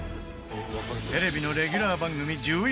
テレビのレギュラー番組１１